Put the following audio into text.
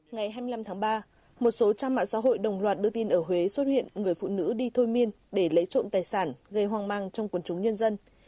ngày hai mươi năm tháng ba một số trang mạng xã hội đồng loạt đưa tin ở huế xuất hiện người phụ nữ đi thôi miên để lấy trộm tài sản gây hoang mang trong quần chúng nhân dân